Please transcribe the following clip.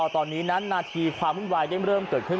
ตอนนี้นั้นนาทีความวุ่นวายได้เริ่มเกิดขึ้น